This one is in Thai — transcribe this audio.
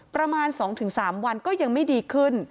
ประมาณ๒๓วันก็ยังไม่ดีขึ้น